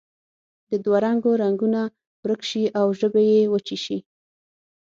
د دوه رنګو رنګونه ورک شي او ژبې یې وچې شي.